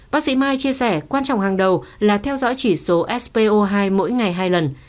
bác sĩ mai chia sẻ quan trọng hàng đầu là theo dõi chỉ số spo hai mỗi ngày hai lần